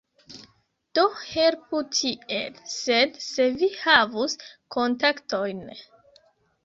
Do helpu tiel, sed se vi havus kontaktojn